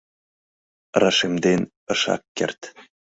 Рашемден ышак керт.